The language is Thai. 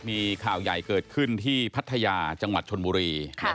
มีข่าวใหญ่เกิดขึ้นที่พัทยาจังหวัดชนบุรี